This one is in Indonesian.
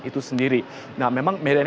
itu sendiri nah memang median